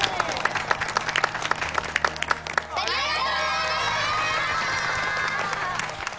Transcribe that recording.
ありがとう！